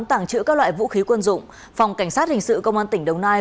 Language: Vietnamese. tàng trữ các loại vũ khí quân dụng phòng cảnh sát hình sự công an tỉnh đồng nai